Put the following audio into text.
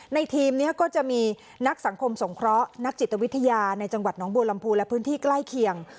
ทีมนี้ก็จะมีนักสังคมสงเคราะห์นักจิตวิทยาในจังหวัดน้องบัวลำพูและพื้นที่ใกล้เคียง